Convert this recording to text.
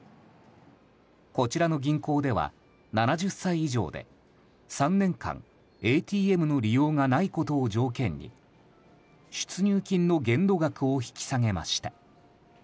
こちらの銀行では７０歳以上で３年間ＡＴＭの利用がないことを条件に出入金の限度額を引き下げました。